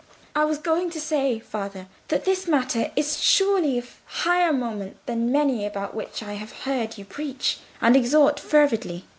"I was going to say, father, that this matter is surely of higher moment than many about which I have heard you preach and exhort fervidly.